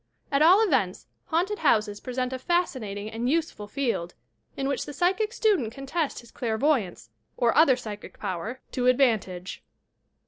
At all events, haunted houses present a fascinating and useful field, iu which the psychic student can test his clairvoyance, or other psychic power, to advantage.